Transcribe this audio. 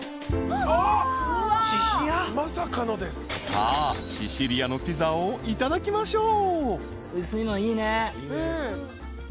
［さあシシリアのピザをいただきましょう］